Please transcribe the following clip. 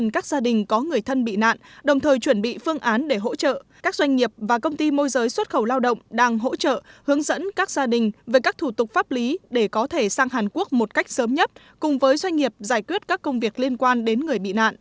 các doanh nghiệp và công ty môi giới xuất khẩu lao động đang hỗ trợ hướng dẫn các gia đình về các thủ tục pháp lý để có thể sang hàn quốc một cách sớm nhất cùng với doanh nghiệp giải quyết các công việc liên quan đến người bị nạn